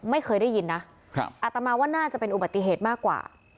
ไม่เคยได้ยินนะอัตมาว่าน่าจะเป็นอุบัติเหตุมากกว่า